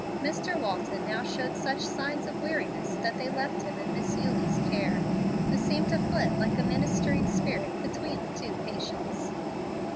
Mr. Walton now showed such signs of weariness that they left him in Miss Eulie's care, who seemed to flit like a ministering spirit between the two patients.